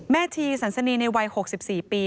ชีสันสนีในวัย๖๔ปี